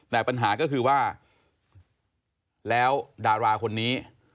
แต่ปัญหาก็คือว่าแล้วดาราคนนี้